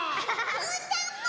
うーたんも！